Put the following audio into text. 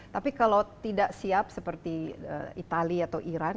tapi kalau tidak siap seperti itali atau iran